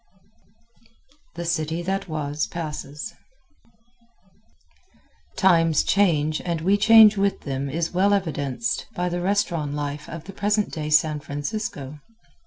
The City That Was Passes Times change and we change with them is well evidenced by the restaurant life of the present day San Francisco.